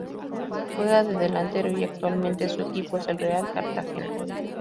Juega de delantero y actualmente su equipo es el Real Cartagena.